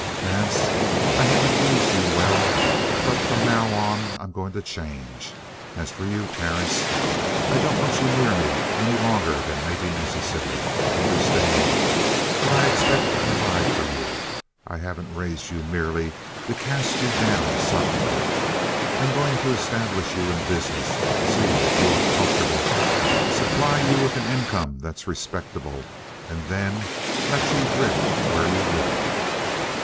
"Vance, I haven't used you well, but from now on I'm going to change. As for you, Terence, I don't want you near me any longer than may be necessary. Understand that I expect to provide for you. I haven't raised you merely to cast you down suddenly. I'm going to establish you in business, see that you are comfortable, supply you with an income that's respectable, and then let you drift where you will.